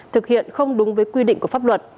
thực hiện không đúng với quy định của pháp luật